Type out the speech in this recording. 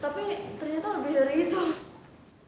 tapi ternyata lebih dari itu